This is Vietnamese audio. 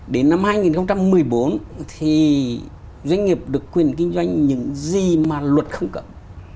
đến năm hai nghìn một mươi bốn thì doanh nghiệp được quyền kinh doanh những gì mà luật không cầm